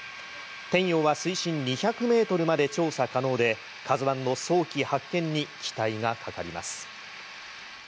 「天洋」は水深２００メートルまで調査可能で、「ＫＡＺＵ１」の早期発見に期待がかかります。